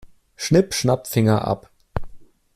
Schnipp-schnapp, Finger ab.